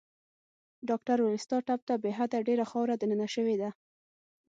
ډاکټر وویل: ستا ټپ ته بې حده ډېره خاوره دننه شوې ده.